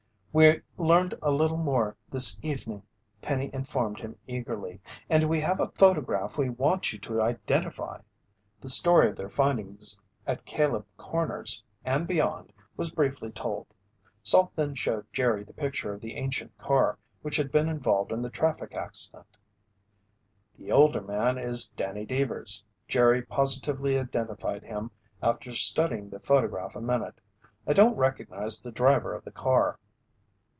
"We learned a little more this evening," Penny informed him eagerly. "And we have a photograph we want you to identify." The story of their findings at Caleb Corners and beyond, was briefly told. Salt then showed Jerry the picture of the ancient car which had been involved in the traffic accident. "This older man is Danny Deevers," Jerry positively identified him after studying the photograph a minute. "I don't recognize the driver of the car."